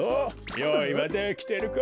よういはできてるか？